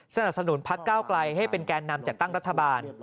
สนับสนุนพักเก้าไกลให้เป็นแกนนำจัดตั้งรัฐบาล